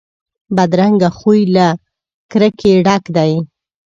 بدرنګه خوی له کرکې ډک وي